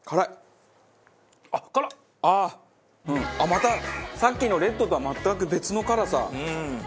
あっまたさっきのレッドとは全く別の辛さ！